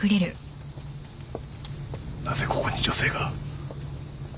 なぜここに女性が？